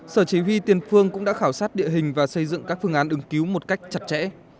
sở chỉ huy tiền phương cũng đã khảo sát địa hình và xây dựng các phương án ứng cứu một cách chặt chẽ